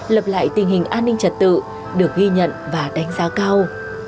lập lại tình hình an ninh trật tự được ghi nhận và đánh giá cao